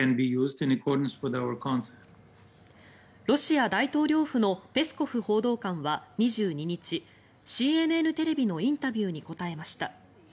ロシア大統領府のペスコフ報道官は２２日ＣＮＮテレビのインタビューに答えました。